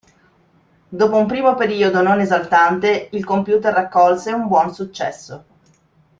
Dopo un primo periodo non esaltante, il computer raccolse un buon successo.